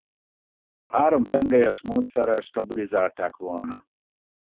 Három tengelyes módszerrel stabilizálták volna.